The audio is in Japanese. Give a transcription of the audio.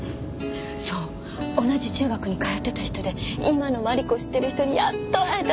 そう同じ中学に通ってた人で今のマリコを知ってる人にやっと会えたって連絡あった。